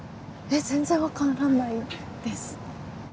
全然分からないです。